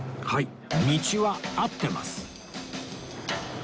はい。